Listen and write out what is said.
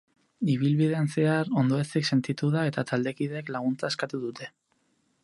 Ibilbidean zehar ondoezik sentitu da eta taldekideek laguntza eskatu dute.